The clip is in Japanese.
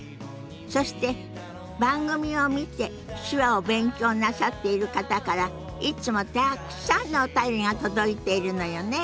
そして番組を見て手話を勉強なさっている方からいつもたくさんのお便りが届いているのよね？